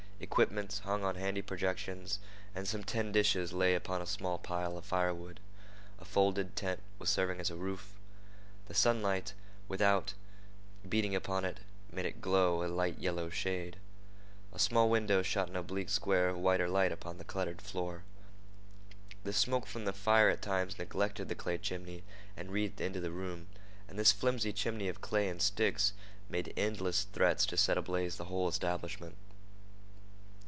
Equipments hung on handy projections, and some tin dishes lay upon a small pile of firewood. A folded tent was serving as a roof. The sunlight, without, beating upon it, made it glow a light yellow shade. A small window shot an oblique square of whiter light upon the cluttered floor. The smoke from the fire at times neglected the clay chimney and wreathed into the room, and this flimsy chimney of clay and sticks made endless threats to set ablaze the whole establishment.